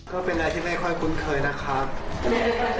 ก็เป็นอะไรที่ไม่ค่อยคุ้นเคยนะครับ